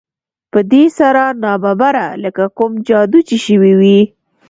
په دې سره ناببره لکه کوم جادو چې شوی وي